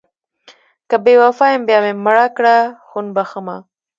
که بې وفا یم بیا مې مړه کړه خون بښمه...